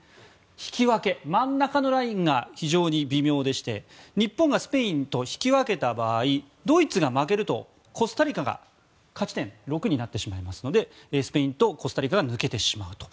引き分け、真ん中のラインが非常に微妙でして日本がスペインと引き分けた場合ドイツが負けるとコスタリカが勝ち点６になってしまいますのでスペインとコスタリカが抜けてしまうと。